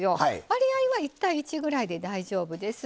割合は１：１ぐらいで大丈夫です。